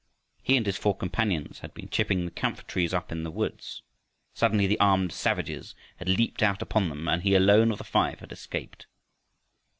He and his four companions had been chipping the camphor trees up in the woods; suddenly the armed savages had leaped out upon them and he alone of the five had escaped.